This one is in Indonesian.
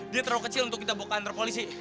dia terlalu kecil untuk kita bawa ke kantor polisi